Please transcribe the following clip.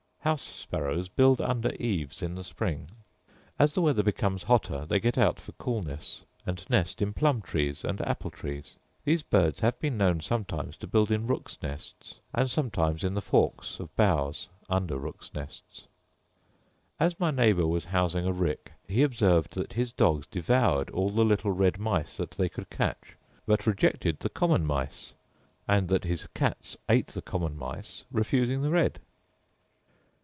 House sparrows build under eaves in the spring; as the weather becomes hotter they get out for coolness, and nest in plum trees and apple trees. These birds have been known sometimes to build in rooks' nests, and sometimes in the forks of boughs under rooks' nests. As my neighbour was housing a rick he observed that his dogs devoured all the little red mice that they could catch, but rejected the common mice: and that his cats ate the common mice, refusing the red.